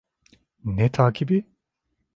Ne takibi?